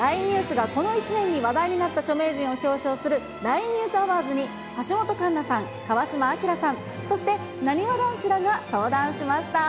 ニュースがこの一年に話題になった著名人を表彰するＬＩＮＥニュースアワーズに橋本環奈さん、川島明さん、そしてなにわ男子らが登壇しました。